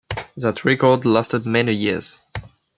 That record lasted many years.